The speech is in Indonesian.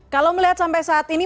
kalau melihat sampai saat ini